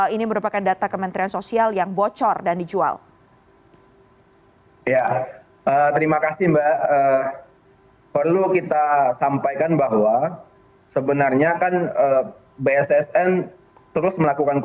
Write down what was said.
ini merupakan data kementerian sosial yang bocorkan